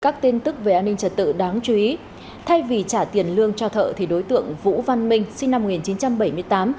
các tin tức về an ninh trật tự đáng chú ý thay vì trả tiền lương cho thợ thì đối tượng vũ văn minh sinh năm một nghìn chín trăm bảy mươi tám